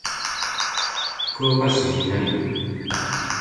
福岡市南区